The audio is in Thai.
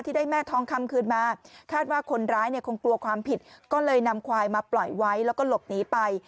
ได้แม่ทองคำคืนมาคาดว่าคนร้ายเนี่ยคงกลัวความผิดก็เลยนำควายมาปล่อยไว้แล้วก็หลบหนีไป